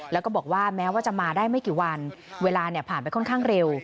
แล้วก็บอกว่าแม้ว่าจะมาได้ไม่กี่วันเวลาผ่านไปค่อนข้างเร็ว